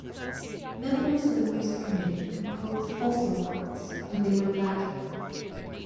Members of the Music Committee composed alto parts when they were lacking.